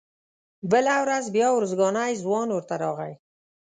بله ورځ بیا ارزګانی ځوان ورته راغی.